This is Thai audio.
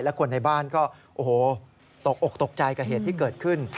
และคนในบ้านก็โอ้โหตกอกตกใจกับเหตุที่เกิดขึ้น